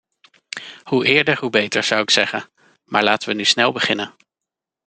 Hoe eerder hoe beter zou ik zeggen, maar laten we nu snel beginnen.